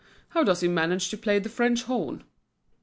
"How does he manage to play the French horn?"